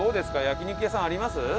焼肉屋さんあります？